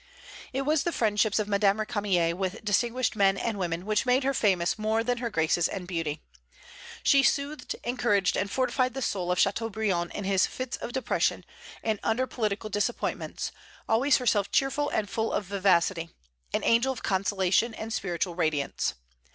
It was the friendships of Madame Récamier with distinguished men and women which made her famous more than her graces and beauty. She soothed, encouraged, and fortified the soul of Châteaubriand in his fits of depression and under political disappointments, always herself cheerful and full of vivacity, an angel of consolation and spiritual radiance.